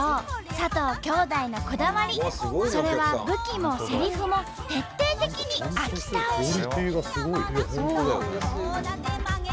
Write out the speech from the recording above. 佐藤兄弟のこだわりそれは武器もせりふも徹底的に秋田推し。